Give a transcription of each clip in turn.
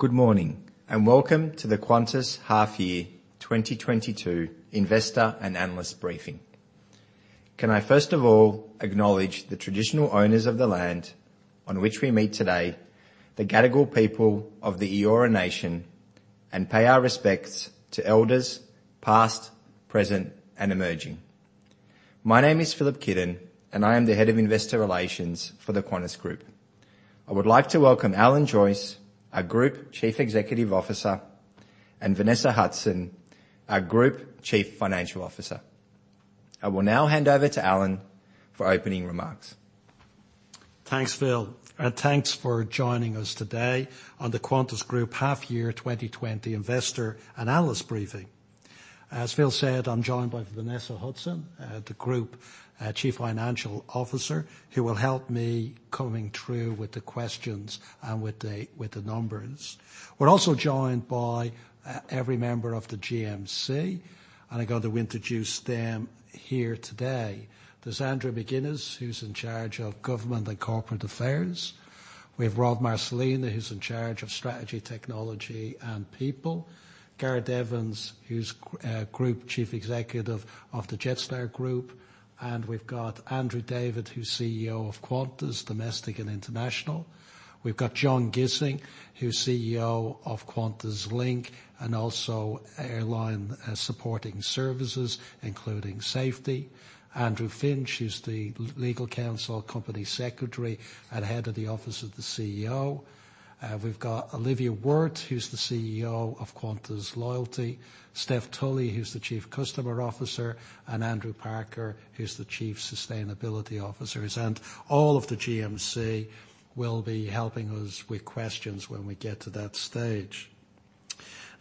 Good morning, and welcome to the Qantas Half Year 2022 Investor and Analyst briefing. Can I first of all acknowledge the traditional owners of the land on which we meet today, the Gadigal people of the Eora Nation, and pay our respects to elders past, present, and emerging. My name is Filip Kidon, and I am the Head of Investor Relations for the Qantas Group. I would like to welcome Alan Joyce, our Group Chief Executive Officer, and Vanessa Hudson, our Group Chief Financial Officer. I will now hand over to Alan for opening remarks. Thanks, Phil, and thanks for joining us today on the Qantas Group Half Year 2020 Investor and Analyst briefing. As Phil said, I'm joined by Vanessa Hudson, the Group Chief Financial Officer, who will help me combing through with the questions and with the numbers. We're also joined by every member of the GMC, and I'm going to introduce them here today. There's Andrew McGinnes, who's in charge of government and corporate affairs. We have Rob Marcolina, who's in charge of strategy, technology, and people. Gareth Evans, who's Group Chief Executive of the Jetstar Group. We've got Andrew David, who's CEO of Qantas Domestic and International. We've got John Gissing, who's CEO of QantasLink and also airline supporting services, including safety. Andrew Finch, who's the Legal Counsel, Company Secretary, and Head of the Office of the CEO. We've got Olivia Wirth, who's the CEO of Qantas Loyalty. Steph Tully, who's the Chief Customer Officer, and Andrew Parker, who's the Chief Sustainability Officer. All of the GMC will be helping us with questions when we get to that stage.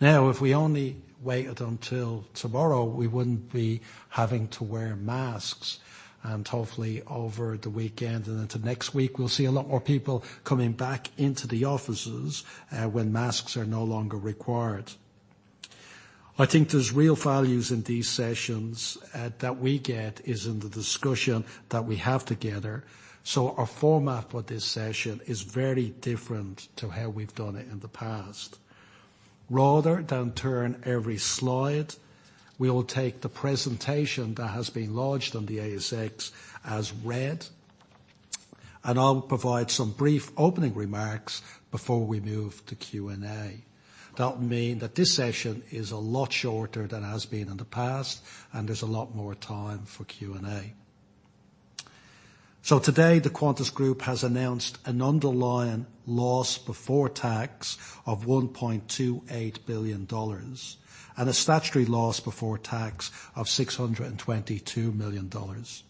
Now, if we only waited until tomorrow, we wouldn't be having to wear masks. Hopefully over the weekend and into next week we'll see a lot more people coming back into the offices, when masks are no longer required. I think there's real values in these sessions, that we get is in the discussion that we have together. Our format for this session is very different to how we've done it in the past. Rather than turn every slide, we'll take the presentation that has been lodged on the ASX as read, and I'll provide some brief opening remarks before we move to Q&A. That will mean that this session is a lot shorter than it has been in the past, and there's a lot more time for Q&A. Today the Qantas Group has announced an underlying loss before tax of 1.28 billion dollars and a statutory loss before tax of 622 million dollars.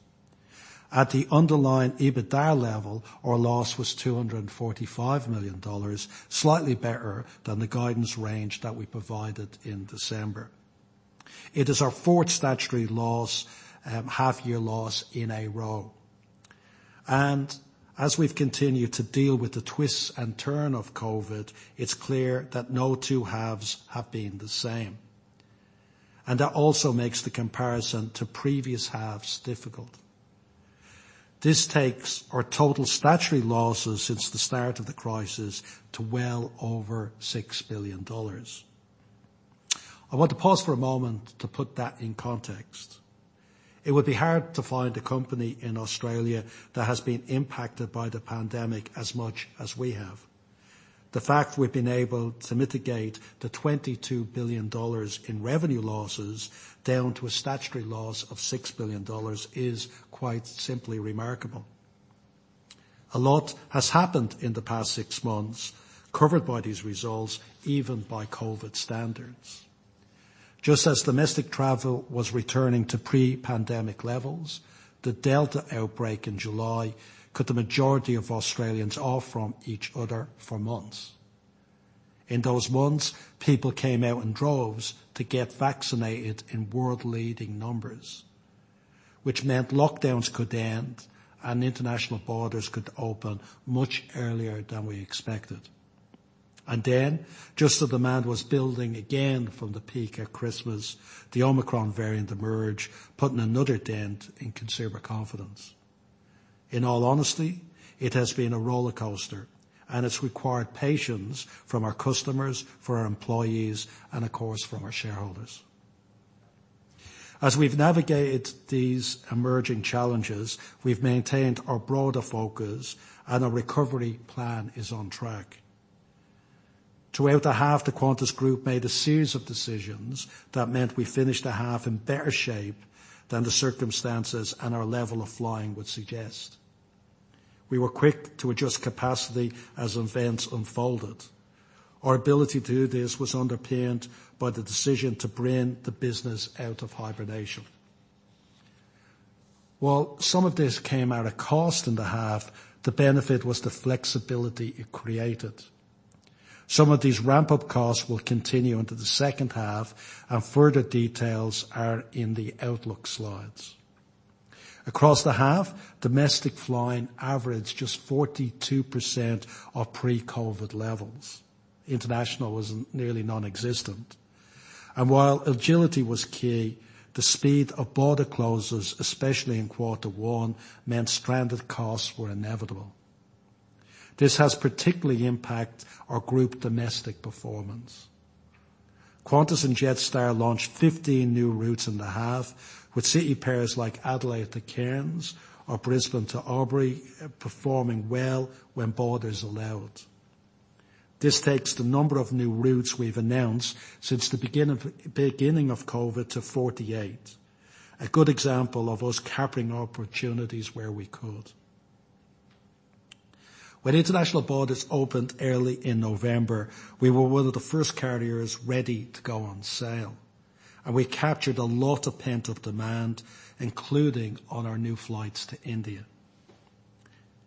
At the underlying EBITDA level, our loss was 245 million dollars, slightly better than the guidance range that we provided in December. It is our fourth statutory loss, half-year loss in a row. As we've continued to deal with the twists and turns of COVID, it's clear that no two halves have been the same, and that also makes the comparison to previous halves difficult. This takes our total statutory losses since the start of the crisis to well over 6 billion dollars. I want to pause for a moment to put that in context. It would be hard to find a company in Australia that has been impacted by the pandemic as much as we have. The fact we've been able to mitigate the 22 billion dollars in revenue losses down to a statutory loss of 6 billion dollars is quite simply remarkable. A lot has happened in the past six months covered by these results, even by COVID standards. Just as domestic travel was returning to pre-pandemic levels, the Delta outbreak in July cut the majority of Australians off from each other for months. In those months, people came out in droves to get vaccinated in world-leading numbers, which meant lockdowns could end and international borders could open much earlier than we expected. Just as demand was building again from the peak at Christmas, the Omicron variant emerged, putting another dent in consumer confidence. In all honesty, it has been a roller coaster, and it's required patience from our customers, for our employees, and of course, from our shareholders. As we've navigated these emerging challenges, we've maintained our broader focus and our recovery plan is on track. Throughout the half, the Qantas Group made a series of decisions that meant we finished the half in better shape than the circumstances and our level of flying would suggest. We were quick to adjust capacity as events unfolded. Our ability to do this was underpinned by the decision to bring the business out of hibernation. While some of this came at a cost in the half, the benefit was the flexibility it created. Some of these ramp-up costs will continue into the second half, and further details are in the outlook slides. Across the half, domestic flying averaged just 42% of pre-COVID levels. International was nearly nonexistent. While agility was key, the speed of border closures, especially in quarter one, meant stranded costs were inevitable. This has particularly impacted our group domestic performance. Qantas and Jetstar launched 15 new routes in the half, with city pairs like Adelaide to Cairns or Brisbane to Albury performing well when borders allowed. This takes the number of new routes we've announced since the beginning of COVID to 48%. A good example of us capturing opportunities where we could. When international borders opened early in November, we were one of the first carriers ready to go on sale, and we captured a lot of pent-up demand, including on our new flights to India.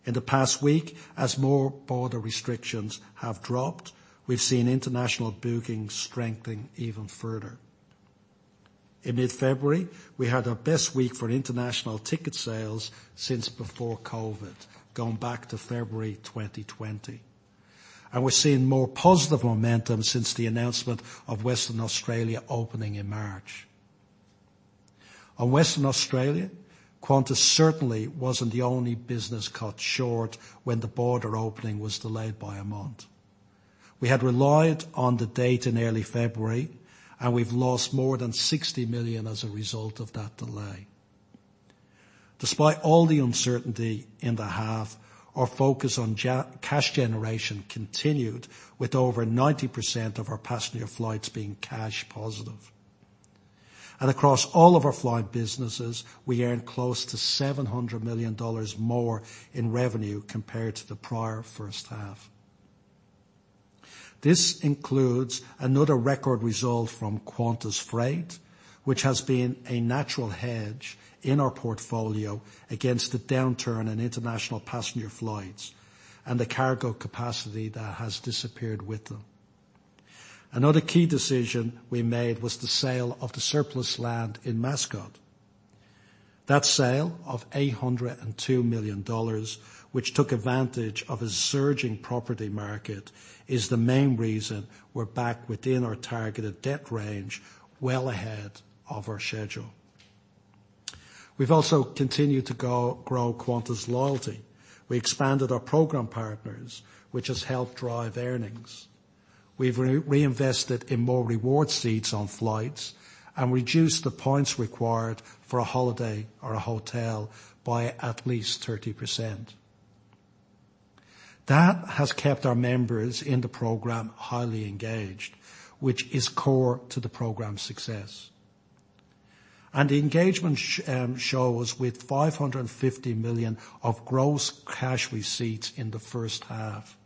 In the past week, as more border restrictions have dropped, we've seen international bookings strengthening even further. In mid-February, we had our best week for international ticket sales since before COVID, going back to February 2020. We're seeing more positive momentum since the announcement of Western Australia opening in March. On Western Australia, Qantas certainly wasn't the only business cut short when the border opening was delayed by a month. We had relied on the date in early February, and we've lost more than 60 million as a result of that delay. Despite all the uncertainty in the half, our focus on cash generation continued with over 90% of our passenger flights being cash positive. Across all of our flying businesses, we earned close to 700 million dollars more in revenue compared to the prior first half. This includes another record result from Qantas Freight, which has been a natural hedge in our portfolio against the downturn in international passenger flights and the cargo capacity that has disappeared with them. Another key decision we made was the sale of the surplus land in Mascot. That sale of 802 million dollars, which took advantage of a surging property market, is the main reason we're back within our targeted debt range well ahead of our schedule. We've also continued to grow Qantas Loyalty. We expanded our program partners, which has helped drive earnings. We've reinvested in more reward seats on flights and reduced the points required for a holiday or a hotel by at least 30%. That has kept our members in the program highly engaged, which is core to the program's success. Cash generation shows with 550 million of gross cash receipts in the first half.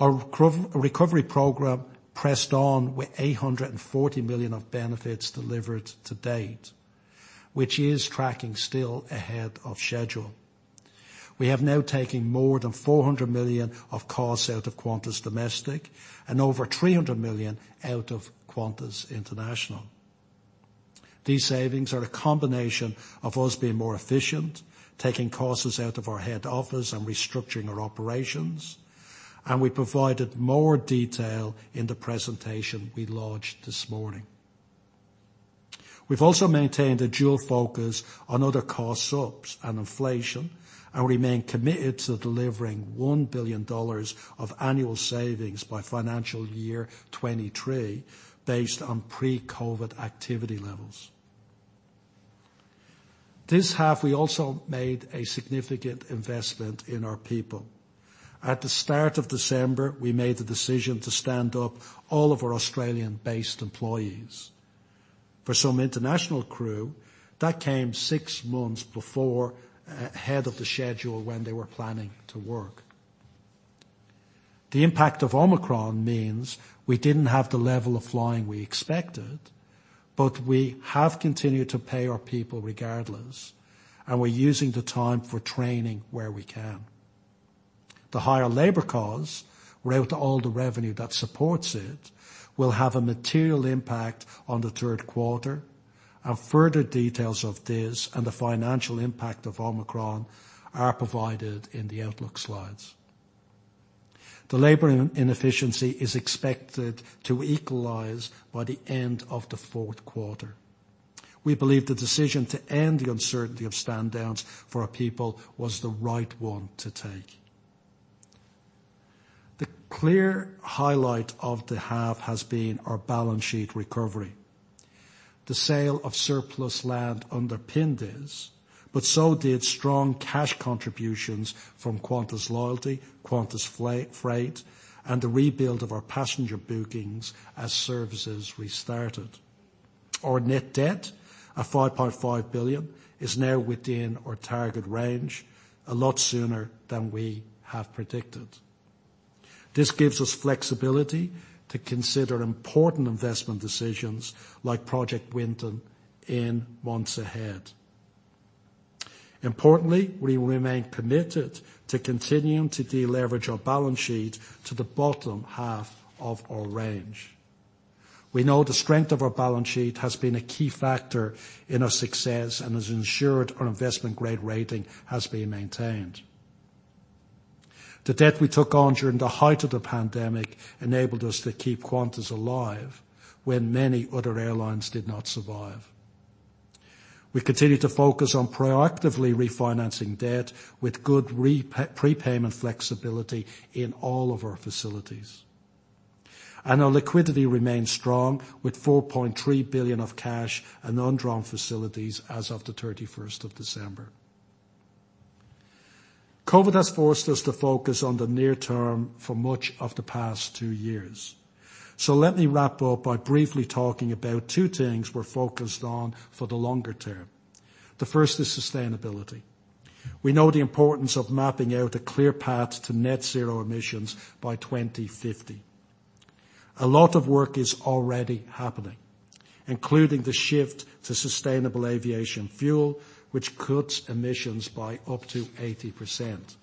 Our COVID recovery program pressed on with 840 million of benefits delivered to date, which is tracking still ahead of schedule. We have now taken more than 400 million of costs out of Qantas Domestic and over 300 million out of Qantas International. These savings are a combination of us being more efficient, taking costs out of our head office, and restructuring our operations, and we provided more detail in the presentation we launched this morning. We've also maintained a dual focus on other costs, wages and inflation and remain committed to delivering 1 billion dollars of annual savings by financial year 2023 based on pre-COVID activity levels. This half, we also made a significant investment in our people. At the start of December, we made the decision to stand up all of our Australian-based employees. For some international crew, that came six months before ahead of the schedule when they were planning to work. The impact of Omicron means we didn't have the level of flying we expected, but we have continued to pay our people regardless, and we're using the time for training where we can. The higher labor costs, without all the revenue that supports it, will have a material impact on the third quarter, and further details of this and the financial impact of Omicron are provided in the outlook slides. The labor inefficiency is expected to equalize by the end of the fourth quarter. We believe the decision to end the uncertainty of standdowns for our people was the right one to take. The clear highlight of the half has been our balance sheet recovery. The sale of surplus land underpinned this, but so did strong cash contributions from Qantas Loyalty, Qantas Freight, and the rebuild of our passenger bookings as services restarted. Our net debt of 5.5 billion is now within our target range a lot sooner than we have predicted. This gives us flexibility to consider important investment decisions like Project Winton in months ahead. Importantly, we will remain committed to continuing to deleverage our balance sheet to the bottom half of our range. We know the strength of our balance sheet has been a key factor in our success and has ensured our investment-grade rating has been maintained. The debt we took on during the height of the pandemic enabled us to keep Qantas alive when many other airlines did not survive. We continue to focus on proactively refinancing debt with good prepayment flexibility in all of our facilities. Our liquidity remains strong with 4.3 billion of cash and undrawn facilities as of the 31st of December. COVID has forced us to focus on the near term for much of the past two years. Let me wrap up by briefly talking about two things we're focused on for the longer term. The first is sustainability. We know the importance of mapping out a clear path to net zero emissions by 2050. A lot of work is already happening, including the shift to sustainable aviation fuel, which cuts emissions by up to 80%.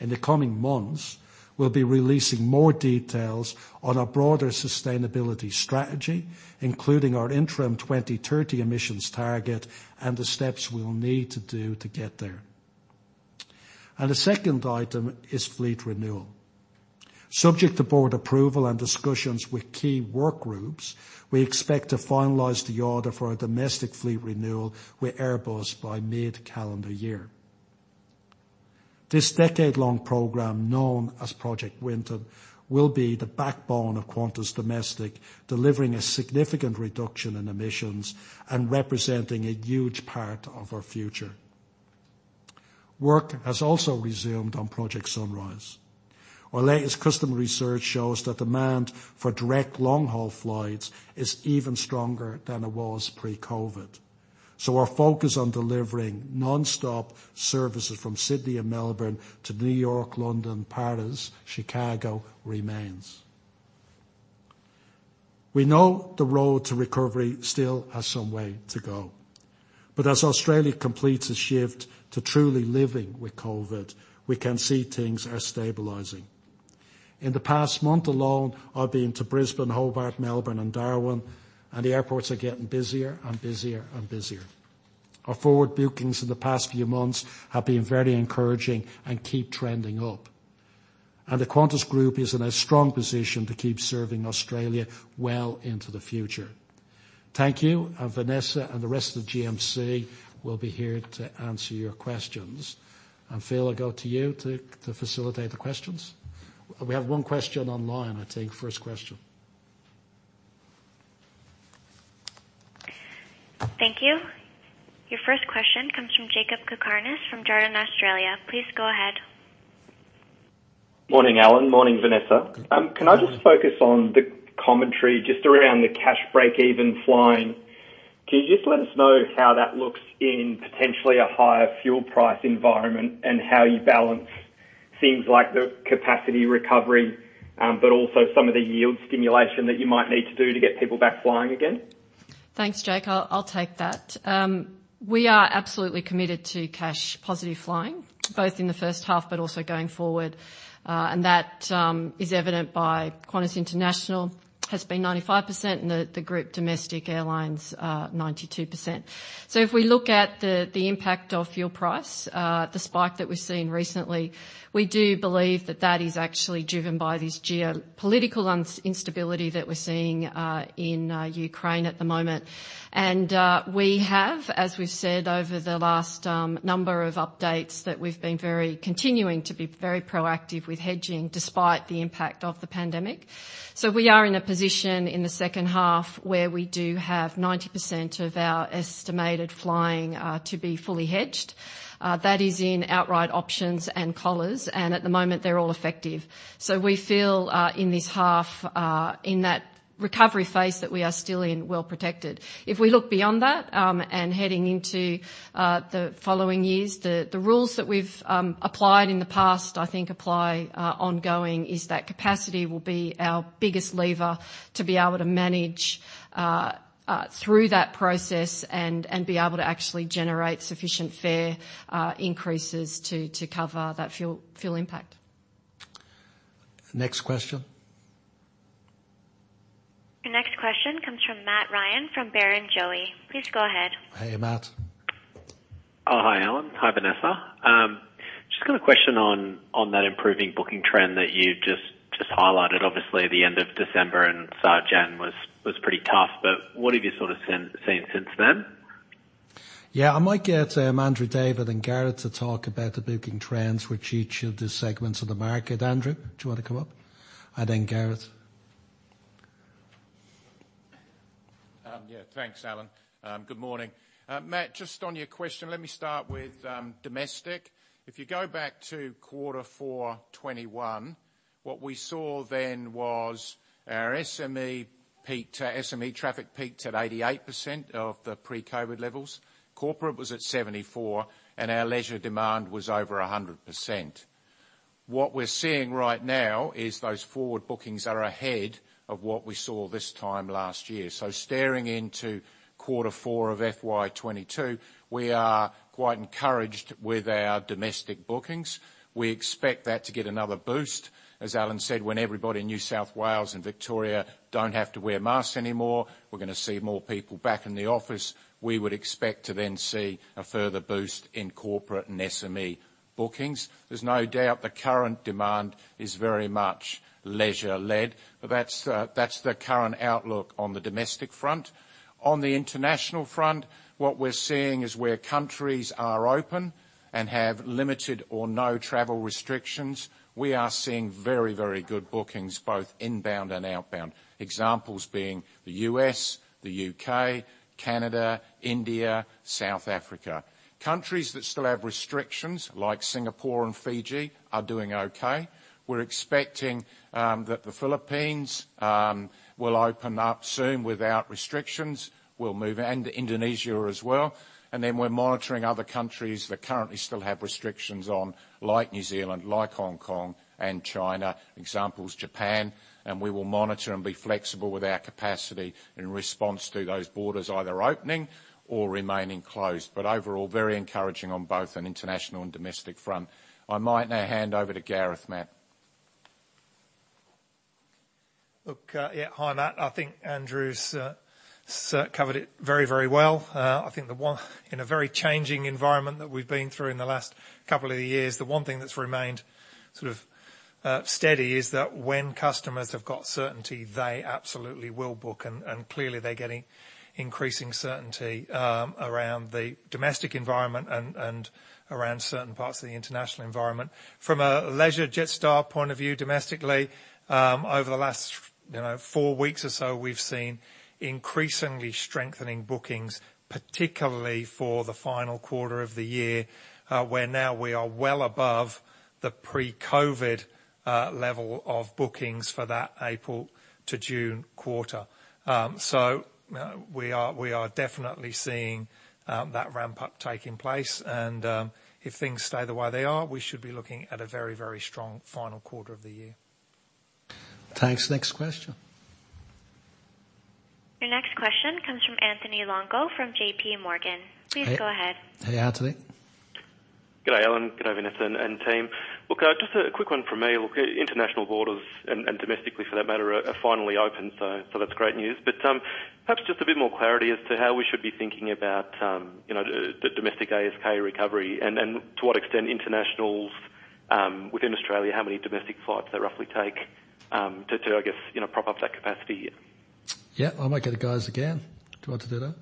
In the coming months, we'll be releasing more details on our broader sustainability strategy, including our interim 2030 emissions target and the steps we will need to do to get there. The second item is fleet renewal. Subject to board approval and discussions with key work groups, we expect to finalize the order for our domestic fleet renewal with Airbus by mid-calendar year. This decade-long program known as Project Winton will be the backbone of Qantas Domestic, delivering a significant reduction in emissions and representing a huge part of our future. Work has also resumed on Project Sunrise. Our latest customer research shows that demand for direct long-haul flights is even stronger than it was pre-COVID. Our focus on delivering nonstop services from Sydney and Melbourne to New York, London, Paris, Chicago remains. We know the road to recovery still has some way to go, but as Australia completes its shift to truly living with COVID, we can see things are stabilizing. In the past month alone, I've been to Brisbane, Hobart, Melbourne and Darwin, and the airports are getting busier and busier and busier. Our forward bookings in the past few months have been very encouraging and keep trending up. The Qantas Group is in a strong position to keep serving Australia well into the future. Thank you. Vanessa and the rest of the GMC will be here to answer your questions. Filip, I go to you to facilitate the questions. We have one question online, I think. First question. Thank you. Your first question comes from Jakob Cakarnis from Jarden Australia. Please go ahead. Morning, Alan. Morning, Vanessa. Good morning. Can I just focus on the commentary just around the cash breakeven flying? Can you just let us know how that looks in potentially a higher fuel price environment and how you balance things like the capacity recovery, but also some of the yield stimulation that you might need to do to get people back flying again? Thanks, Jake. I'll take that. We are absolutely committed to cash positive flying, both in the first half, but also going forward. That is evident by Qantas International has been 95% and the group domestic airlines 92%. If we look at the impact of fuel price, the spike that we've seen recently, we do believe that that is actually driven by this geopolitical instability that we're seeing in Ukraine at the moment. We have, as we've said over the last number of updates, that we've been continuing to be very proactive with hedging despite the impact of the pandemic. We are in a position in the second half where we do have 90% of our estimated flying to be fully hedged. That is in outright options and collars, and at the moment, they're all effective. We feel in this half in that recovery phase that we are still in well-protected. If we look beyond that, and heading into the following years, the rules that we've applied in the past, I think apply ongoing, is that capacity will be our biggest lever to be able to manage through that process and be able to actually generate sufficient fare increases to cover that fuel impact. Next question. The next question comes from Matt Ryan from Barrenjoey. Please go ahead. Hey, Matt. Oh, hi, Alan. Hi, Vanessa. Just got a question on that improving booking trend that you just highlighted. Obviously, the end of December and January was pretty tough, but what have you sort of seen since then? Yeah, I might get Andrew David and Gareth to talk about the booking trends for each of the segments of the market. Andrew, do you want to come up? Then Gareth. Yeah. Thanks, Alan. Good morning. Matt, just on your question, let me start with domestic. If you go back to quarter four 2021, what we saw then was our SME traffic peaked at 88% of the pre-COVID levels. Corporate was at 74%, and our leisure demand was over 100%. What we're seeing right now is those forward bookings are ahead of what we saw this time last year. Staring into quarter four of FY 2022, we are quite encouraged with our domestic bookings. We expect that to get another boost. As Alan said, when everybody in New South Wales and Victoria don't have to wear masks anymore, we're gonna see more people back in the office. We would expect to then see a further boost in corporate and SME bookings. There's no doubt the current demand is very much leisure-led, but that's the current outlook on the domestic front. On the international front, what we're seeing is where countries are open and have limited or no travel restrictions, we are seeing very, very good bookings, both inbound and outbound. Examples being the U.S., the U.K., Canada, India, South Africa. Countries that still have restrictions like Singapore and Fiji are doing okay. We're expecting that the Philippines will open up soon without restrictions. Indonesia as well. We're monitoring other countries that currently still have restrictions, like New Zealand, like Hong Kong and China, examples, Japan. We will monitor and be flexible with our capacity in response to those borders either opening or remaining closed, overall, very encouraging on both an international and domestic front. I might now hand over to Gareth, Matt. Look, yeah. Hi, Matt. I think Andrew's covered it very, very well. I think in a very changing environment that we've been through in the last couple of years, the one thing that's remained sort of steady is that when customers have got certainty, they absolutely will book, and clearly they're getting increasing certainty around the domestic environment and around certain parts of the international environment. From a leisure Jetstar point of view domestically, over the last, you know, four weeks or so, we've seen increasingly strengthening bookings, particularly for the final quarter of the year, where now we are well above the pre-COVID level of bookings for that April to June quarter. We are definitely seeing that ramp up taking place and, if things stay the way they are, we should be looking at a very, very strong final quarter of the year. Thanks. Next question. Your next question comes from Anthony Longo from JPMorgan. Hey. Please go ahead. Hey Anthony. Good day, Alan. Good day, Vanessa and team. Look, just a quick one from me. Look, international borders and domestically for that matter are finally open, so that's great news. Perhaps just a bit more clarity as to how we should be thinking about, you know, the domestic ASK recovery and to what extent internationals within Australia, how many domestic flights they roughly take, to, I guess, you know, prop up that capacity? Yeah. I might get the guys again. Do you want to do that?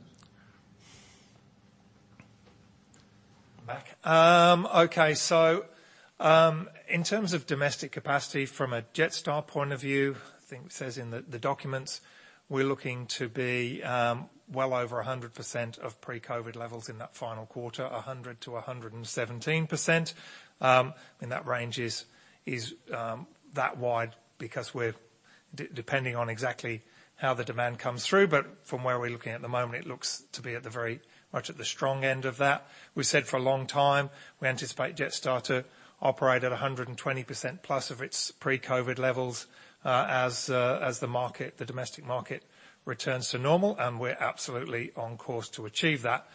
I'm back. Okay. In terms of domestic capacity from a Jetstar point of view, I think it says in the documents, we're looking to be well over 100% of pre-COVID levels in that final quarter, 100%-117%. That range is that wide because we're depending on exactly how the demand comes through. From where we're looking at the moment, it looks to be very much at the strong end of that. We said for a long time, we anticipate Jetstar to operate at 120%+ of its pre-COVID levels as the market, the domestic market returns to normal, and we're absolutely on course to achieve that.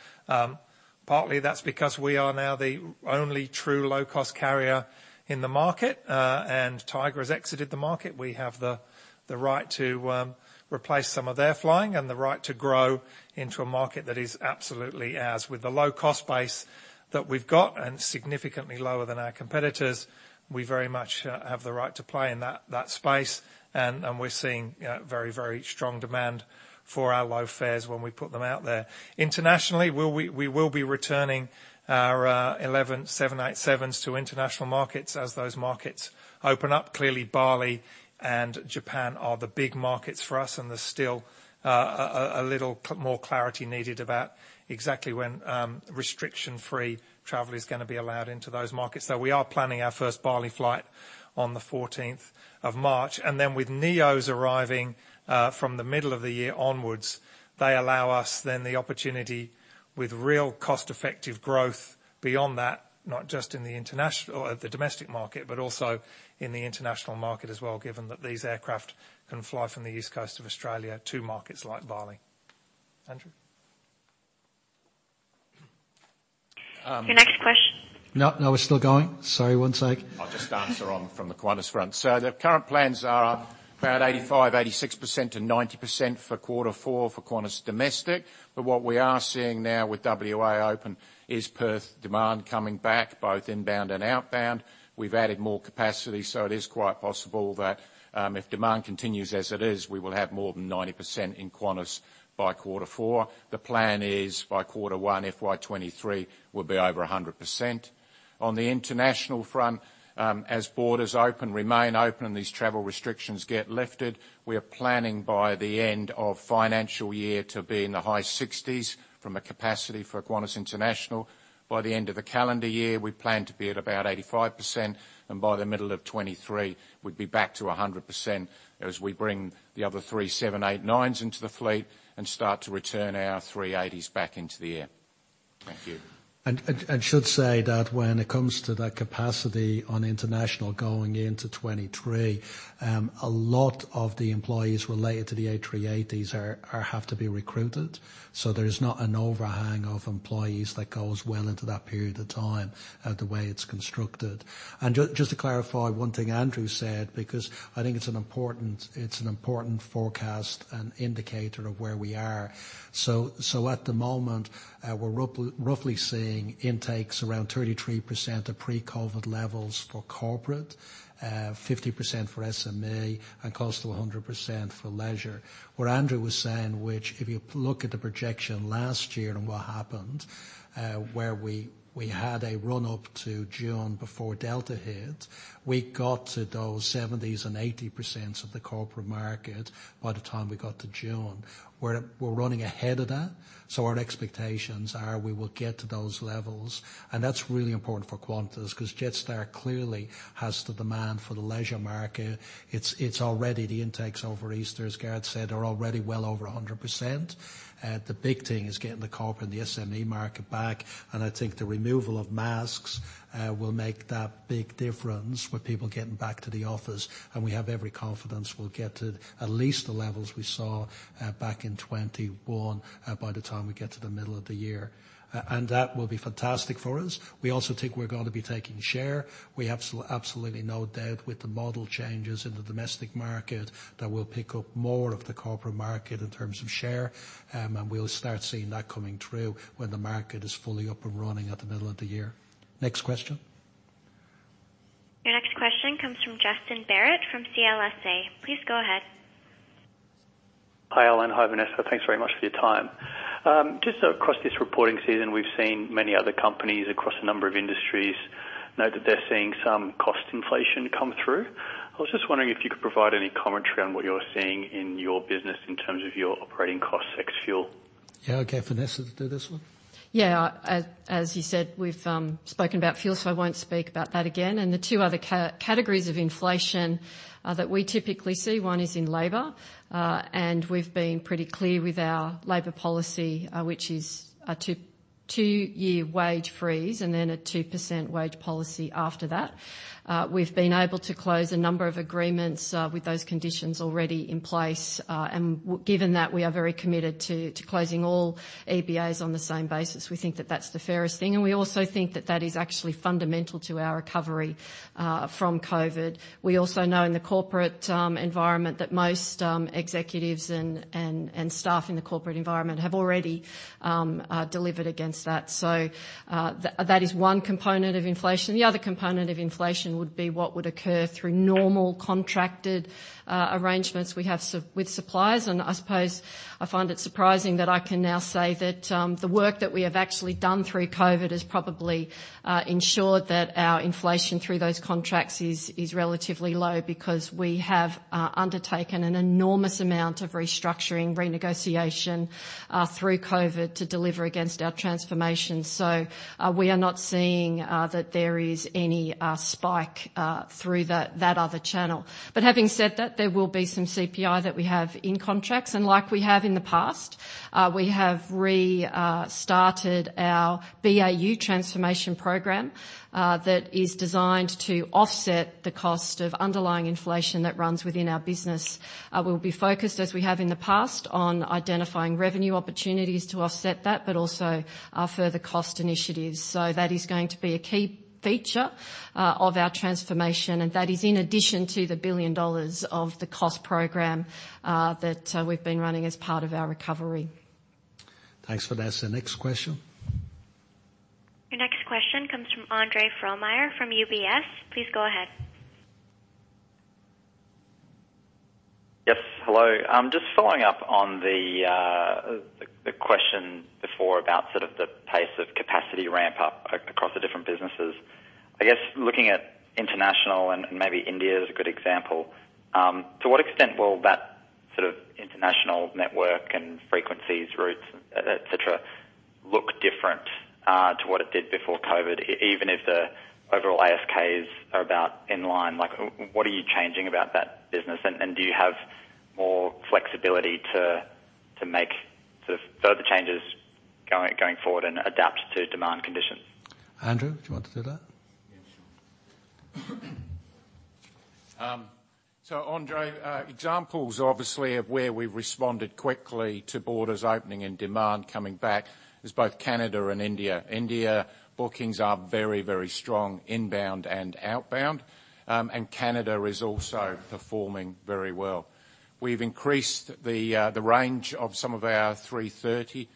Partly that's because we are now the only true low-cost carrier in the market, and Tiger has exited the market. We have the right to replace some of their flying and the right to grow into a market that is absolutely ours. With the low-cost base that we've got and significantly lower than our competitors, we very much have the right to play in that space. We're seeing very strong demand for our low fares when we put them out there. Internationally, we will be returning our 11 787s to international markets as those markets open up. Clearly, Bali and Japan are the big markets for us, and there's still a little more clarity needed about exactly when restriction-free travel is gonna be allowed into those markets. We are planning our first Bali flight on the 14th of March. With NEOs arriving from the middle of the year onwards, they allow us then the opportunity with real cost-effective growth beyond that, not just in the domestic market, but also in the international market as well, given that these aircraft can fly from the east coast of Australia to markets like Bali. Andrew? Your next question No, no, we're still going. Sorry, one sec. I'll just answer from the Qantas front. The current plans are about 85%-86% to 90% for quarter four for Qantas Domestic. What we are seeing now with WA open is Perth demand coming back both inbound and outbound. We've added more capacity, so it is quite possible that if demand continues as it is, we will have more than 90% in Qantas by quarter four. The plan is by quarter one, FY 2023, we'll be over 100%. On the international front, as borders open, remain open, and these travel restrictions get lifted, we are planning by the end of financial year to be in the high 60s for capacity for Qantas International. By the end of the calendar year, we plan to be at about 85%, and by the middle of 2023, we'd be back to 100% as we bring the other three 787-9s into the fleet and start to return our A380s back into the air. Thank you. I should say that when it comes to that capacity on international going into 2023, a lot of the employees related to the A380s have to be recruited. There's not an overhang of employees that goes well into that period of time, the way it's constructed. Just to clarify one thing Andrew said, because I think it's an important forecast and indicator of where we are. At the moment, we're roughly seeing intakes around 33% of pre-COVID levels for corporate, 50% for SME, and close to 100% for leisure. What Andrew was saying, which if you look at the projection last year and what happened, where we had a run up to June before Delta hit, we got to those 70% and 80% of the corporate market by the time we got to June. We're running ahead of that, so our expectations are we will get to those levels, and that's really important for Qantas 'cause Jetstar clearly has the demand for the leisure market. It's already the intakes over Easter, as Gareth said, are already well over 100%. The big thing is getting the corporate and the SME market back, and I think the removal of masks will make that big difference with people getting back to the office. We have every confidence we'll get to at least the levels we saw back in 2021 by the time we get to the middle of the year. That will be fantastic for us. We also think we're gonna be taking share. We absolutely no doubt with the model changes in the domestic market that we'll pick up more of the corporate market in terms of share, and we'll start seeing that coming through when the market is fully up and running at the middle of the year. Next question. Your next question comes from Justin Barratt from CLSA. Please go ahead. Hi, Alan. Hi, Vanessa. Thanks very much for your time. Just across this reporting season, we've seen many other companies across a number of industries note that they're seeing some cost inflation come through. I was just wondering if you could provide any commentary on what you're seeing in your business in terms of your operating costs ex fuel? Yeah. Okay, Vanessa to do this one. Yeah. As you said, we've spoken about fuel, so I won't speak about that again. The two other categories of inflation that we typically see, one is in labor. We've been pretty clear with our labor policy, which is a two-year wage freeze and then a 2% wage policy after that. We've been able to close a number of agreements with those conditions already in place. Given that we are very committed to closing all EBAs on the same basis. We think that that's the fairest thing, and we also think that that is actually fundamental to our recovery from COVID. We also know in the corporate environment that most executives and staff in the corporate environment have already delivered against that. That is one component of inflation. The other component of inflation would be what would occur through normal contracted arrangements we have with suppliers. I suppose I find it surprising that I can now say that the work that we have actually done through COVID has probably ensured that our inflation through those contracts is relatively low because we have undertaken an enormous amount of restructuring, renegotiation through COVID to deliver against our transformation. We are not seeing that there is any spike through that other channel. Having said that, there will be some CPI that we have in contracts. Like we have in the past, we have started our BAU transformation program that is designed to offset the cost of underlying inflation that runs within our business. We'll be focused, as we have in the past, on identifying revenue opportunities to offset that, but also our further cost initiatives. That is going to be a key feature of our transformation, and that is in addition to the 1 billion dollars of the cost program that we've been running as part of our recovery. Thanks, Vanessa. Next question. Your next question comes from Andre Fromyhr from UBS. Please go ahead. Yes. Hello. Just following up on the question before about sort of the pace of capacity ramp up across the different businesses. I guess looking at international and maybe India is a good example, to what extent will that sort of international network and frequencies, routes, et cetera, look different to what it did before COVID? Even if the overall ASKs are about in line, like what are you changing about that business, and do you have more flexibility to make sort of further changes going forward and adapt to demand conditions? Andrew, do you want to do that? Yeah, sure. Andre, examples obviously of where we've responded quickly to borders opening and demand coming back is both Canada and India. India bookings are very, very strong inbound and outbound, and Canada is also performing very well. We've increased the range of some of our A330,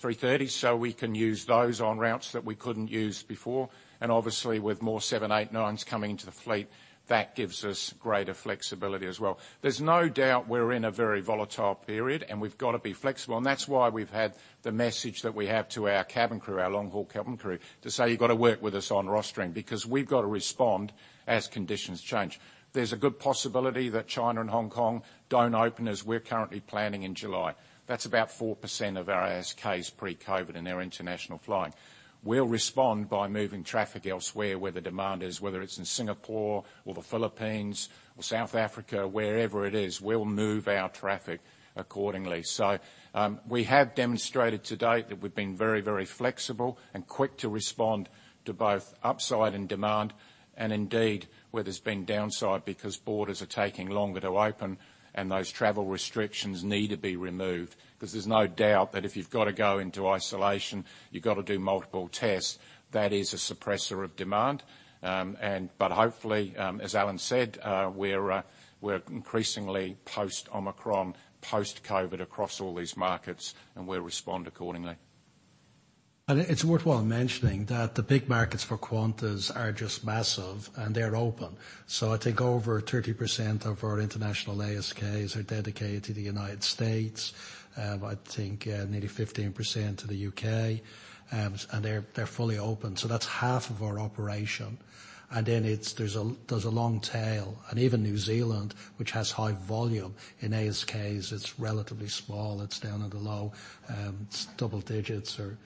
A330s, so we can use those on routes that we couldn't use before. Obviously with more 787-9s coming into the fleet, that gives us greater flexibility as well. There's no doubt we're in a very volatile period, and we've got to be flexible, and that's why we've had the message that we have to our cabin crew, our long-haul cabin crew to say, "You've got to work with us on rostering," because we've got to respond as conditions change. There's a good possibility that China and Hong Kong don't open as we're currently planning in July. That's about 4% of our ASKs pre-COVID in our international flying. We'll respond by moving traffic elsewhere where the demand is, whether it's in Singapore or the Philippines or South Africa, wherever it is, we'll move our traffic accordingly. We have demonstrated to date that we've been very, very flexible and quick to respond to both upside in demand and indeed where there's been downside because borders are taking longer to open and those travel restrictions need to be removed. Because there's no doubt that if you've got to go into isolation, you've got to do multiple tests. That is a suppressor of demand. But hopefully, as Alan said, we're increasingly post-Omicron, post-COVID across all these markets, and we'll respond accordingly. It's worthwhile mentioning that the big markets for Qantas are just massive, and they're open. I think over 30% of our international ASKs are dedicated to the United States. I think nearly 15% to the U.K. and they're fully open. That's half of our operation. Then it's. There's a long tail. Even New Zealand, which has high volume in ASKs, it's relatively small. It's down at the low. It's double digits or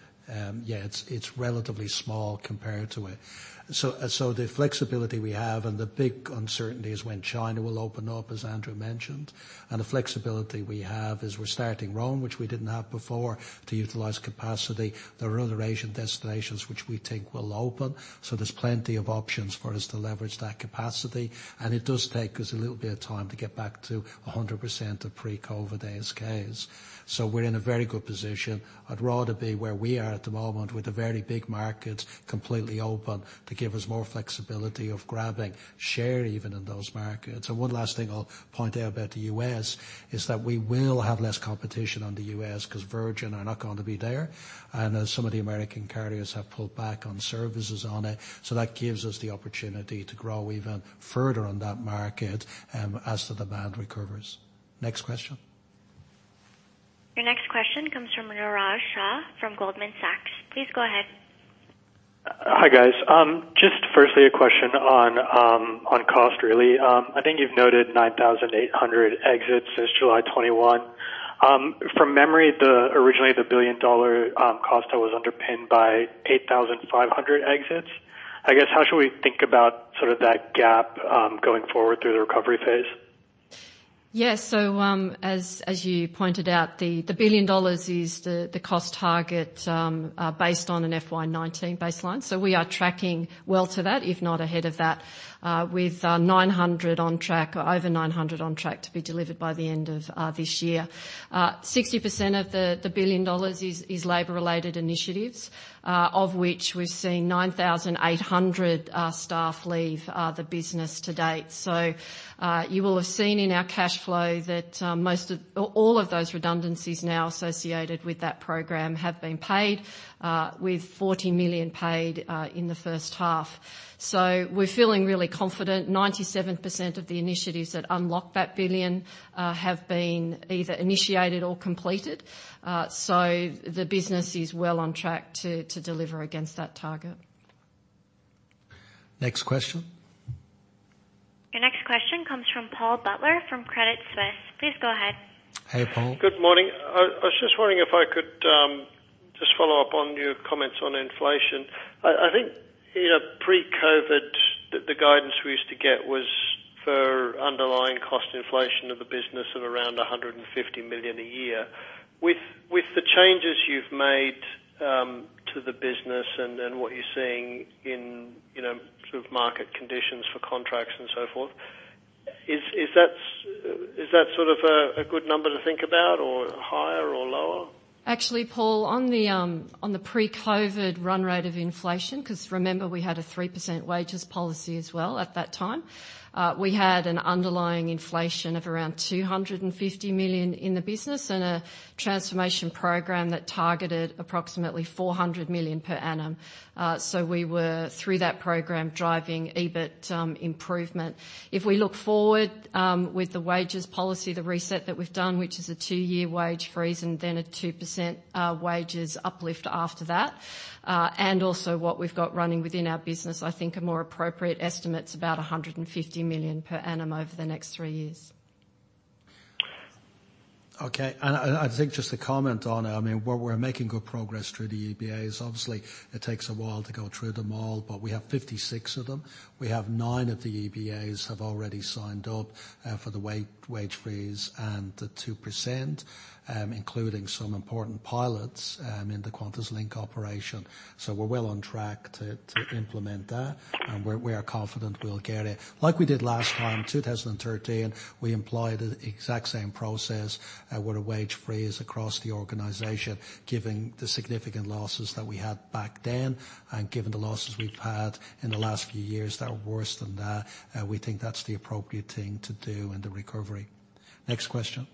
yeah, it's relatively small compared to it. The flexibility we have and the big uncertainty is when China will open up, as Andrew mentioned. The flexibility we have is we're starting Rome, which we didn't have before, to utilize capacity. There are other Asian destinations which we think will open, so there's plenty of options for us to leverage that capacity. It does take us a little bit of time to get back to 100% of pre-COVID ASKs. We're in a very good position. I'd rather be where we are at the moment with the very big markets completely open to give us more flexibility of grabbing share even in those markets. One last thing I'll point out about the U.S. is that we will have less competition on the U.S. because Virgin are not going to be there. Some of the American carriers have pulled back on services on it. That gives us the opportunity to grow even further on that market as the demand recovers. Next question. Your next question comes from Niraj Shah from Goldman Sachs. Please go ahead. Hi, guys. Just firstly, a question on cost really. I think you've noted 9,800 exits since July 2021. From memory, originally, the 1 billion dollar cost that was underpinned by 8,500 exits. I guess, how should we think about sort of that gap going forward through the recovery phase? Yes. As you pointed out, the 1 billion dollars is the cost target based on an FY 2019 baseline. We are tracking well to that, if not ahead of that, with 900 million on track or over 900 million on track to be delivered by the end of this year. 60% of the 1 billion dollars is labor-related initiatives, of which we've seen 9,800 staff leave the business to date. You will have seen in our cash flow that all of those redundancies now associated with that program have been paid, with 40 million paid in the first half. We're feeling really confident. 97% of the initiatives that unlock that 1 billion have been either initiated or completed. The business is well on track to deliver against that target. Next question. Your next question comes from Paul Butler from Credit Suisse. Please go ahead. Hey, Paul. Good morning. I was just wondering if I could just follow up on your comments on inflation. I think, you know, pre-COVID, the guidance we used to get was for underlying cost inflation of the business of around 150 million a year. With the changes you've made to the business and what you're seeing in, you know, sort of market conditions for contracts and so forth, is that sort of a good number to think about or higher or lower? Actually, Paul, on the pre-COVID run rate of inflation, 'cause remember we had a 3% wages policy as well at that time, we had an underlying inflation of around 250 million in the business and a transformation program that targeted approximately 400 million per annum. We were, through that program, driving EBIT improvement. If we look forward, with the wages policy, the reset that we've done, which is a two-year wage freeze and then a 2% wages uplift after that, and also what we've got running within our business, I think a more appropriate estimate's about 150 million per annum over the next three years. Okay. I think just to comment on it, I mean, we're making good progress through the EBAs. Obviously, it takes a while to go through them all, but we have 56 of them. We have nine of the EBAs have already signed up for the wage freeze and the 2%, including some important pilots in the QantasLink operation. We're well on track to implement that, and we are confident we'll get it. Like we did last time, 2013, we employed the exact same process with a wage freeze across the organization, given the significant losses that we had back then and given the losses we've had in the last few years that are worse than that. We think that's the appropriate thing to do in the recovery. Next question.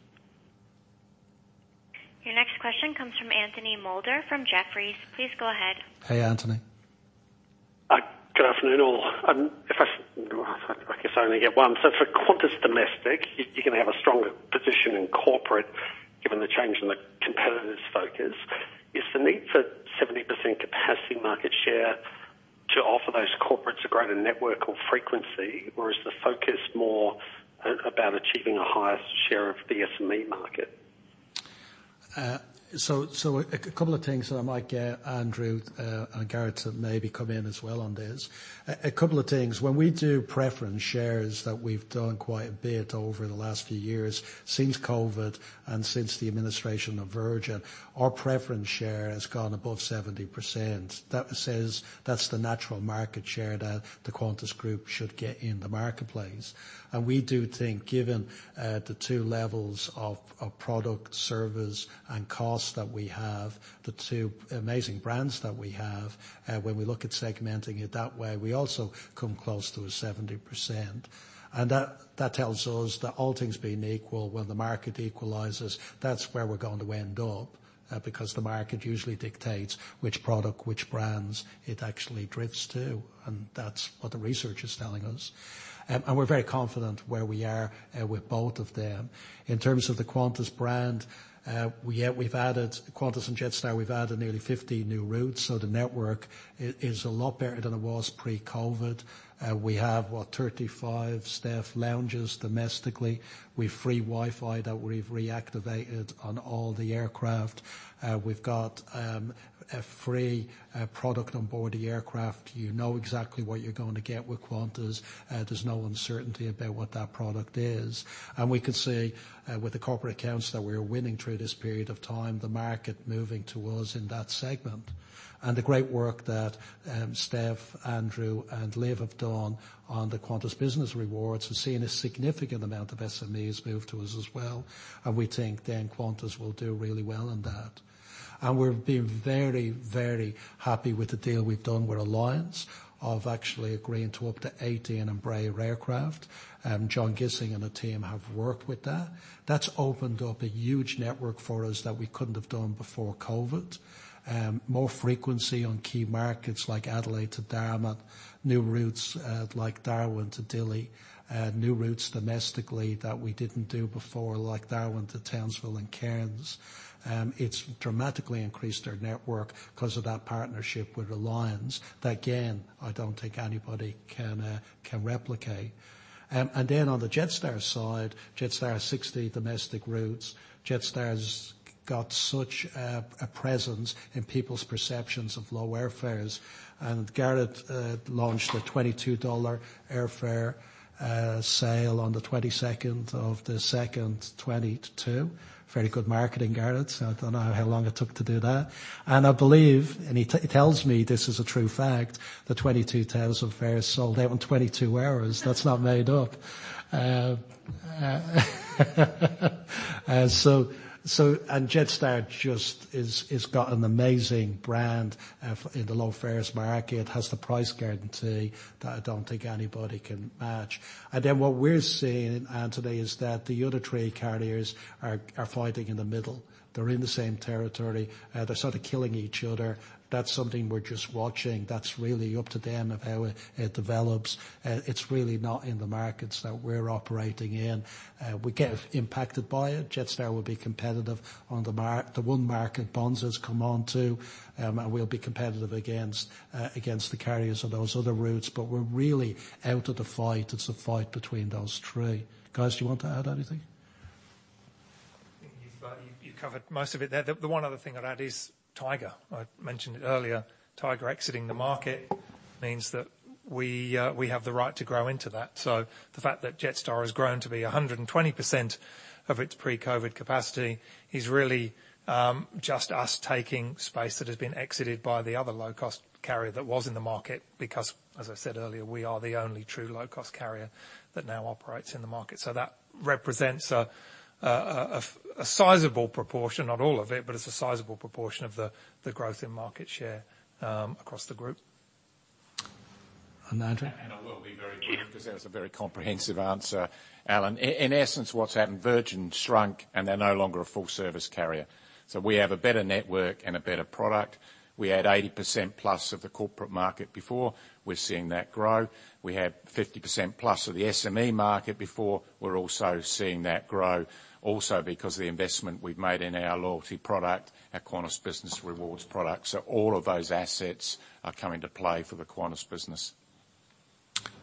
Your next question comes from Anthony Moulder from Jefferies. Please go ahead. Hey, Anthony. Good afternoon, all. I guess I only get one. For Qantas Domestic, you're gonna have a stronger position in corporate given the change in the competitors' focus. Is the need for 70% capacity market share for those corporates a greater network or frequency, or is the focus more about achieving a higher share of the SME market? A couple of things that I might get Andrew and Gareth to maybe come in as well on this. When we do passenger shares that we've done quite a bit over the last few years since COVID and since the administration of Virgin, our passenger share has gone above 70%. That says that's the natural market share that the Qantas Group should get in the marketplace. We do think, given the two levels of product, service and cost that we have, the two amazing brands that we have, when we look at segmenting it that way, we also come close to a 70%. That tells us that all things being equal, when the market equalizes, that's where we're going to end up, because the market usually dictates which product, which brands it actually drifts to, and that's what the research is telling us. We're very confident where we are with both of them. In terms of the Qantas brand, we've added nearly 50 new routes, so the network is a lot better than it was pre-COVID. We have 35 staff lounges domestically. We have free Wi-Fi that we've reactivated on all the aircraft. We've got a free product on board the aircraft. You know exactly what you're going to get with Qantas, there's no uncertainty about what that product is. We could see with the corporate accounts that we're winning through this period of time, the market moving to us in that segment. The great work that Steph, Andrew and Liv have done on the Qantas Business Rewards, we're seeing a significant amount of SMEs move to us as well, and we think then Qantas will do really well on that. We've been very, very happy with the deal we've done with Alliance Airlines, actually agreeing to up to 80 Embraer aircraft. John Gissing and the team have worked with that. That's opened up a huge network for us that we couldn't have done before COVID. More frequency on key markets like Adelaide to Darwin. New routes like Darwin to Dili. New routes domestically that we didn't do before, like Darwin to Townsville and Cairns. It's dramatically increased our network 'cause of that partnership with Alliance that again, I don't think anybody can replicate. Then on the Jetstar side, Jetstar has 60 domestic routes. Jetstar's got such a presence in people's perceptions of low airfares. Gareth launched an 22 dollar airfare sale on the 22nd of the second 2022. Very good marketing, Gareth. I don't know how long it took to do that. I believe, and he tells me this is a true fact, the 22,000 fares sold out in 22 hours. That's not made up. So Jetstar just is got an amazing brand in the low fares market. It has the price guarantee that I don't think anybody can match. Then what we're seeing, Anthony, is that the other trade carriers are fighting in the middle. They're in the same territory. They're sort of killing each other. That's something we're just watching. That's really up to them of how it develops. It's really not in the markets that we're operating in. We get impacted by it. Jetstar will be competitive on the one market Bonza's come on to, and we'll be competitive against the carriers on those other routes. But we're really out of the fight. It's a fight between those three. Guys, do you want to add anything? You've covered most of it there. The one other thing I'd add is Tiger. I mentioned it earlier. Tiger exiting the market means that we have the right to grow into that. So the fact that Jetstar has grown to be 120% of its pre-COVID capacity is really just us taking space that has been exited by the other low-cost carrier that was in the market, because, as I said earlier, we are the only true low-cost carrier that now operates in the market. So that represents a sizable proportion, not all of it, but it's a sizable proportion of the growth in market share across the group. Andrew? I will be very quick 'cause that was a very comprehensive answer, Alan. In essence, what's happened, Virgin shrunk, and they're no longer a full-service carrier. We have a better network and a better product. We had 80%+ of the corporate market before. We're seeing that grow. We have 50%+ of the SME market before. We're also seeing that grow because of the investment we've made in our loyalty product, our Qantas Business Rewards product. All of those assets are coming to play for the Qantas business.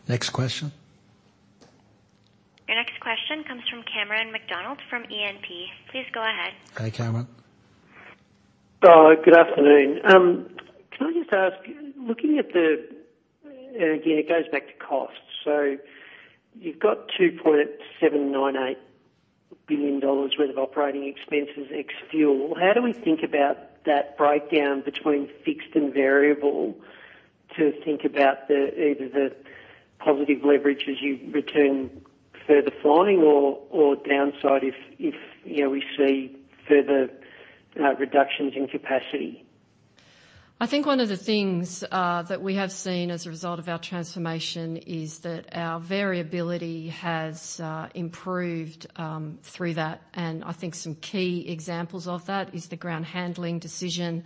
Next question. Your next question comes from Cameron McDonald from E&P. Please go ahead. Hey, Cameron. Good afternoon. Can I just ask, looking at the, and again, it goes back to cost. You've got 2.798 billion dollars worth of operating expenses ex-fuel. How do we think about that breakdown between fixed and variable to think about either the positive leverage as you return further flying or downside if, you know, we see further reductions in capacity? I think one of the things that we have seen as a result of our transformation is that our variability has improved through that. I think some key examples of that is the ground handling decision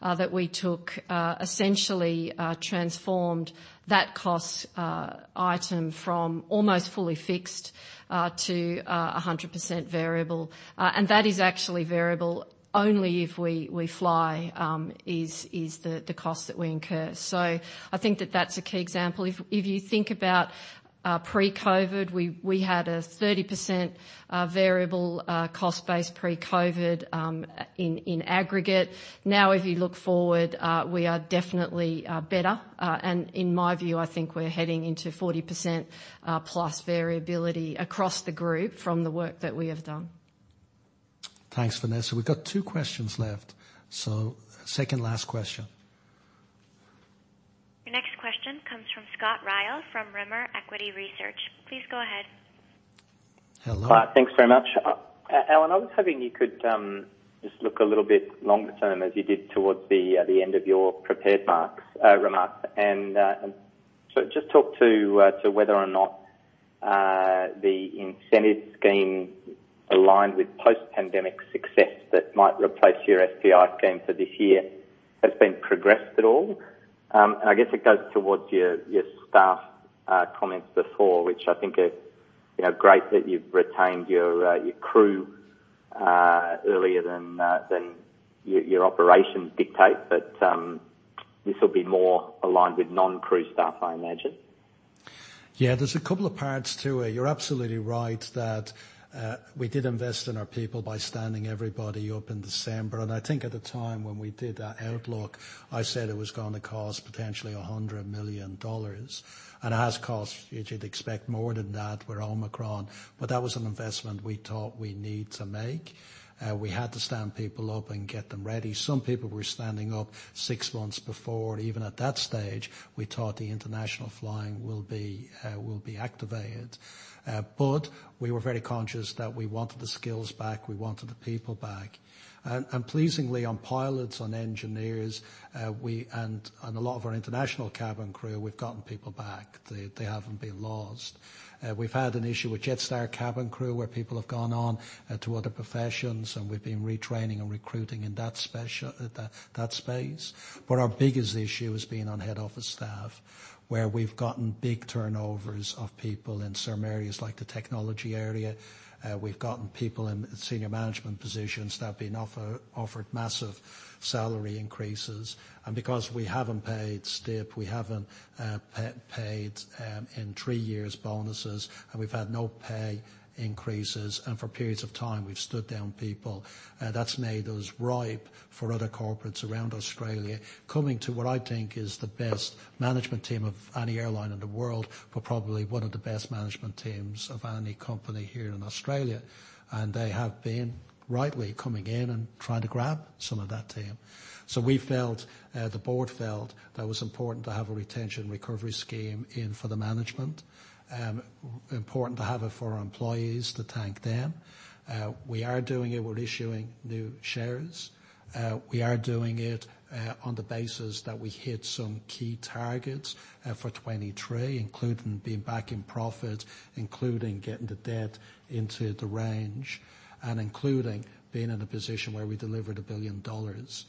that we took essentially transformed that cost item from almost fully fixed to 100% variable. And that is actually variable only if we fly is the cost that we incur. So I think that that's a key example. If you think about pre-COVID, we had a 30% variable cost base pre-COVID in aggregate. Now if you look forward, we are definitely better. In my view, I think we're heading into 40%+ variability across the group from the work that we have done. Thanks, Vanessa. We've got two questions left, so second last question. Your next question comes from Scott Ryall from Rimor Equity Research. Please go ahead. Hello. Thanks very much. Alan, I was hoping you could just look a little bit longer term as you did towards the end of your prepared remarks. Just talk to whether or not the incentive scheme aligned with post-pandemic success that might replace your STIP scheme for this year has been progressed at all. I guess it goes towards your staff comments before, which I think are, you know, great that you've retained your crew earlier than your operations dictate. This will be more aligned with non-crew staff, I imagine. Yeah. There's a couple of parts to it. You're absolutely right that we did invest in our people by standing everybody up in December. I think at the time when we did our outlook, I said it was gonna cost potentially 100 million dollars, and has cost, as you'd expect, more than that with Omicron, but that was an investment we thought we need to make. We had to stand people up and get them ready. Some people were standing up six months before. Even at that stage, we thought the international flying will be activated. We were very conscious that we wanted the skills back, we wanted the people back. Pleasingly on pilots, on engineers, and a lot of our international cabin crew, we've gotten people back. They haven't been lost. We've had an issue with Jetstar cabin crew, where people have gone on to other professions, and we've been retraining and recruiting in that space. Our biggest issue has been on head office staff, where we've gotten big turnovers of people in some areas like the technology area. We've gotten people in senior management positions that have been offered massive salary increases. Because we haven't paid STIP, we haven't paid in three years bonuses, and we've had no pay increases, and for periods of time we've stood down people, that's made us ripe for other corporates around Australia coming to what I think is the best management team of any airline in the world. Probably one of the best management teams of any company here in Australia. They have been rightly coming in and trying to grab some of that team. We felt, the board felt that it was important to have a retention recovery scheme in for the management, important to have it for our employees to thank them. We are doing it. We're issuing new shares. We are doing it on the basis that we hit some key targets for 2023, including being back in profit, including getting the debt into the range, and including being in a position where we delivered 1 billion dollars.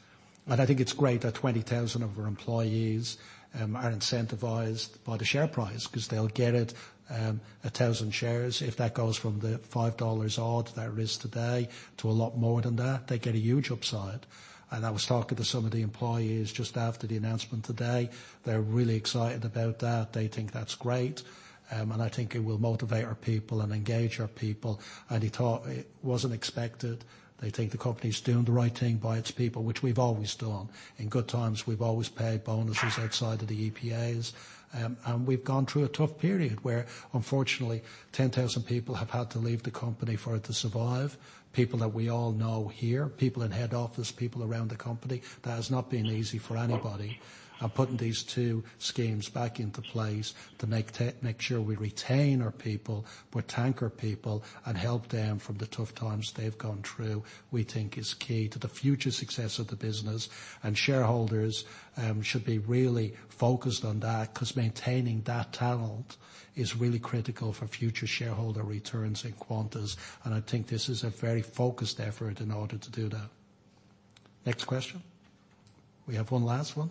I think it's great that 20,000 of our employees are incentivized by the share price, 'cause they'll get 1,000 shares. If that goes from the 5 dollars odd that it is today to a lot more than that, they get a huge upside. I was talking to some of the employees just after the announcement today. They're really excited about that. They think that's great. I think it will motivate our people and engage our people. It wasn't expected. They think the company's doing the right thing by its people, which we've always done. In good times, we've always paid bonuses outside of the EBAs. We've gone through a tough period where unfortunately 10,000 people have had to leave the company for it to survive. People that we all know here, people in head office, people around the company, that has not been easy for anybody. Putting these two schemes back into place to make sure we retain our people, we thank our people, and help them from the tough times they've gone through, we think is key to the future success of the business. Shareholders should be really focused on that, 'cause maintaining that talent is really critical for future shareholder returns in Qantas, and I think this is a very focused effort in order to do that. Next question. We have one last one.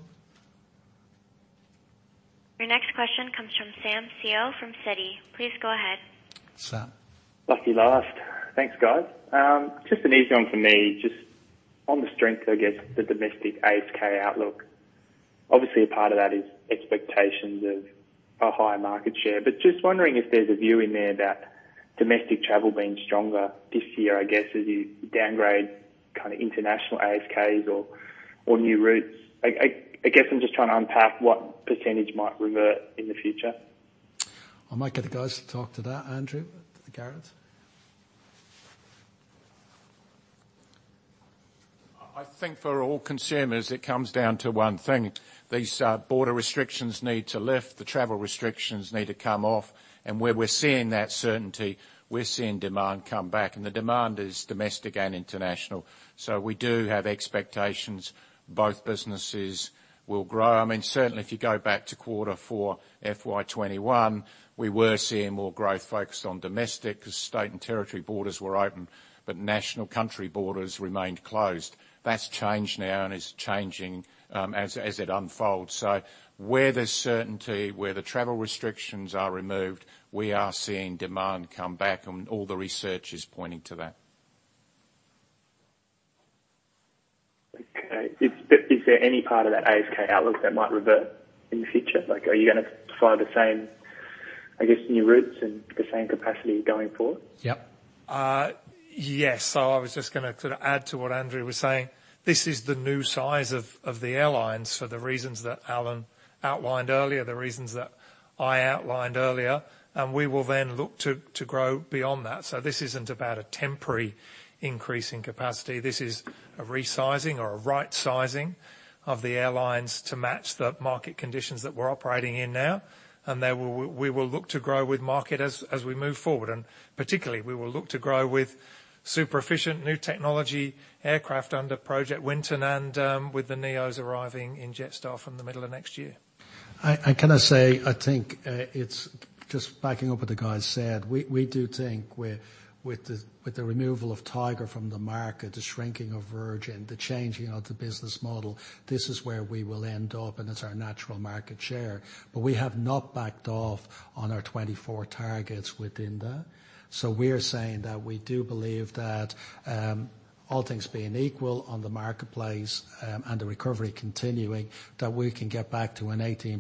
Your next question comes from Sam Seow from Citi. Please go ahead. Sam. Lucky last. Thanks, guys. Just an easy one for me, just on the strength of the domestic ASK outlook. Obviously, a part of that is expectations of a higher market share. Just wondering if there's a view in there about domestic travel being stronger this year, I guess, as you downgrade kind of international ASKs or new routes. I guess I'm just trying to unpack what percentage might revert in the future. I might get the guys to talk to that. Andrew, to Gareth. I think for all consumers, it comes down to one thing. These border restrictions need to lift, the travel restrictions need to come off, and where we're seeing that certainty, we're seeing demand come back. The demand is domestic and international. We do have expectations both businesses will grow. I mean, certainly if you go back to quarter four FY 2021, we were seeing more growth focused on domestic because state and territory borders were open, but national country borders remained closed. That's changed now and is changing, as it unfolds. Where there's certainty, where the travel restrictions are removed, we are seeing demand come back and all the research is pointing to that. Okay. Is there any part of that ASK outlook that might revert in the future? Like, are you gonna fly the same, I guess, new routes and the same capacity going forward? Yep. Yes. I was just gonna sort of add to what Andrew was saying. This is the new size of the airlines for the reasons that Alan outlined earlier, the reasons that I outlined earlier, and we will then look to grow beyond that. This isn't about a temporary increase in capacity. This is a resizing or a rightsizing of the airlines to match the market conditions that we're operating in now. Then we will look to grow with market as we move forward. Particularly, we will look to grow with super efficient new technology aircraft under Project Winton and with the NEOs arriving in Jetstar from the middle of next year. I kinda say, I think it's just backing up what guys said. We do think with the removal of Tiger from the market, the shrinking of Virgin, the changing of the business model, this is where we will end up and it's our natural market share. We have not backed off on our 24 targets within that. We're saying that we do believe that all things being equal on the marketplace and the recovery continuing, that we can get back to an 18%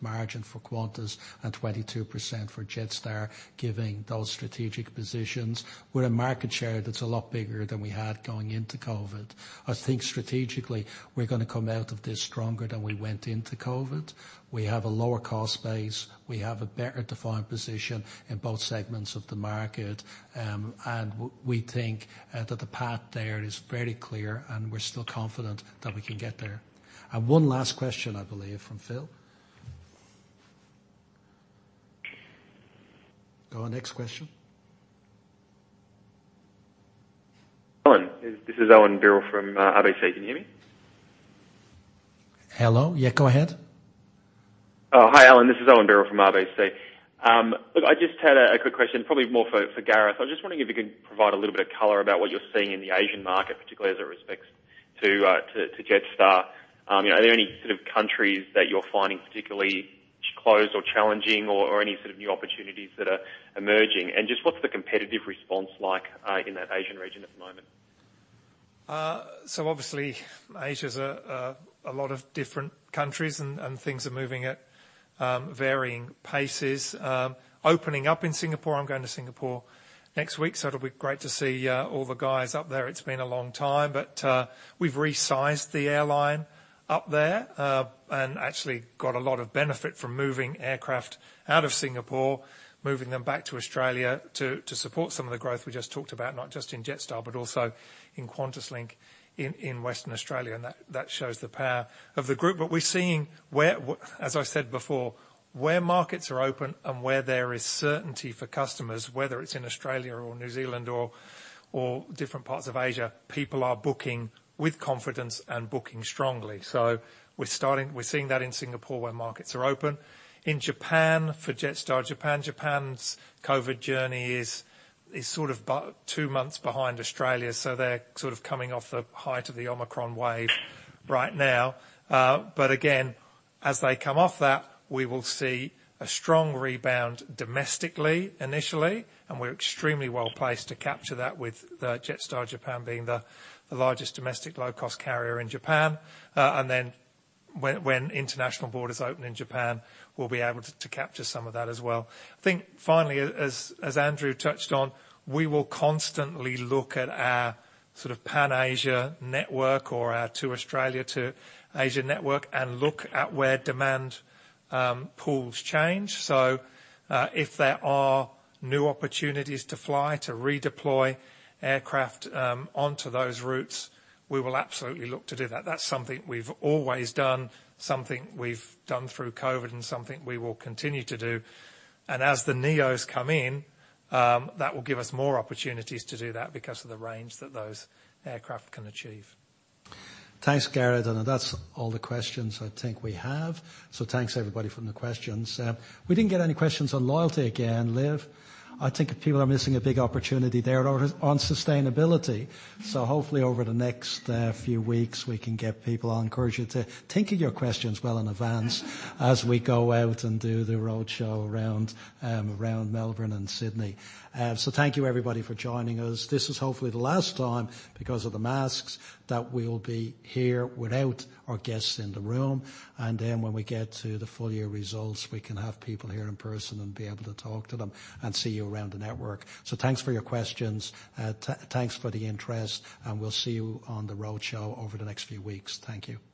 margin for Qantas and 22% for Jetstar, giving those strategic positions. With a market share that's a lot bigger than we had going into COVID. I think strategically we're gonna come out of this stronger than we went into COVID. We have a lower cost base. We have a better defined position in both segments of the market. We think that the path there is very clear, and we're still confident that we can get there. One last question, I believe, from Phil. Go on, next question. Alan, this is Owen Birrell from RBC. Can you hear me? Hello. Yeah, go ahead. Oh, hi, Alan. This is Owen Birrell from RBC. Look, I just had a quick question, probably more for Gareth. I'm just wondering if you can provide a little bit of color about what you're seeing in the Asian market, particularly with respect to Jetstar. You know, are there any sort of countries that you're finding particularly closed or challenging or any sort of new opportunities that are emerging? Just what's the competitive response like in that Asian region at the moment? Obviously Asia is a lot of different countries and things are moving at varying paces. Opening up in Singapore, I'm going to Singapore next week, so it'll be great to see all the guys up there. It's been a long time. We've resized the airline up there and actually got a lot of benefit from moving aircraft out of Singapore, moving them back to Australia to support some of the growth we just talked about, not just in Jetstar, but also in QantasLink in Western Australia. That shows the power of the group. We're seeing as I said before, where markets are open and where there is certainty for customers, whether it's in Australia or New Zealand or different parts of Asia, people are booking with confidence and booking strongly. We're seeing that in Singapore where markets are open. In Japan, for Jetstar Japan's COVID journey is sort of two months behind Australia, so they're sort of coming off the height of the Omicron wave right now. But again, as they come off that, we will see a strong rebound domestically, initially, and we're extremely well placed to capture that with Jetstar Japan being the largest domestic low-cost carrier in Japan. Then when international borders open in Japan, we'll be able to capture some of that as well. I think finally, as Andrew touched on, we will constantly look at our sort of Pan Asia network or our to Australia to Asia network and look at where demand pools change. If there are new opportunities to fly, to redeploy aircraft, onto those routes, we will absolutely look to do that. That's something we've always done, something we've done through COVID and something we will continue to do. As the NEOs come in, that will give us more opportunities to do that because of the range that those aircraft can achieve. Thanks, Gareth. That's all the questions I think we have. Thanks everybody from the questions. We didn't get any questions on loyalty again, Liv. I think people are missing a big opportunity there on sustainability. Hopefully over the next few weeks, we can get people. I encourage you to think of your questions well in advance as we go out and do the roadshow around Melbourne and Sydney. Thank you everybody for joining us. This is hopefully the last time because of the masks that we will be here without our guests in the room. Then when we get to the full year results, we can have people here in person and be able to talk to them and see you around the network. Thanks for your questions. Thanks for the interest, and we'll see you on the roadshow over the next few weeks. Thank you.